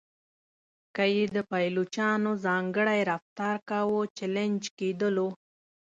که یې د پایلوچانو ځانګړی رفتار کاوه چلنج کېدلو.